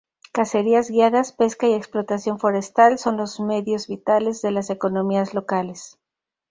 Cacerías guiadas, pesca y explotación forestal son los medios vitales de las economías locales.